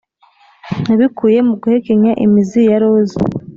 nabikuye mu guhekenya imizi ya roza